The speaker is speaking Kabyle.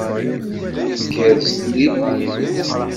Tgerrez tiririt-iw?